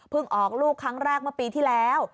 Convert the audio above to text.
เพิ่งออกลูกครั้งแรกมาปีที่แล้ว